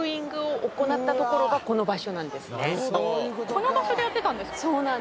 この場所でやってたんですか。